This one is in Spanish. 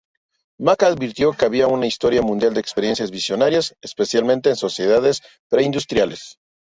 Mack advirtió que había una historia mundial de experiencias visionarias, especialmente en sociedades preindustriales.